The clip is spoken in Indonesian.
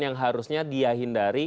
yang harusnya dia hindari